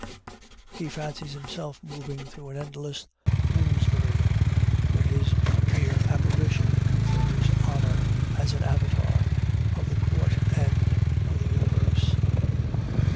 He fancies himself moving through an endless Bloomsbury, where his mere apparition confers honor as an avatar of the court end of the universe.